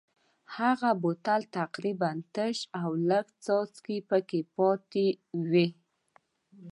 هغه بوتل تقریبا تش و او لږې څاڅکې پکې پاتې وې.